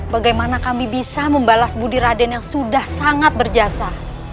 bagaimana kami bisa membalas budi raden yang sudah sangat berjasa